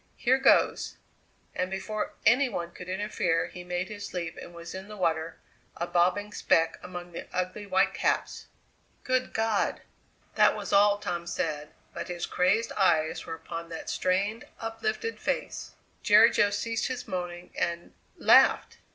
Here goes!" And before any one could interfere he made his leap and was in the water, a bobbing speck among the ugly white caps! "Good God!" That was all Tom said, but his crazed eyes were upon that strained, uplifted face. Jerry Jo ceased his moaning and laughed!